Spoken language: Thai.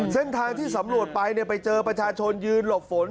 เส้นทางที่สำรวจไปไปเจอประชาชนยืนหลบฝน